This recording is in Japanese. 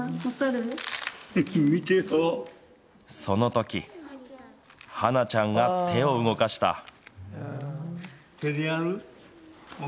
そのとき、羽華ちゃんは手を動かした。